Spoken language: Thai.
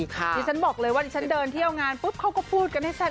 ดิฉันบอกเลยว่าดิฉันเดินเที่ยวงานปุ๊บเขาก็พูดกันให้แซ่บ